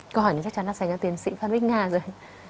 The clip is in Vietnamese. câu hỏi này chắc chắn đã xảy ra tiền sĩ phan bích nga rồi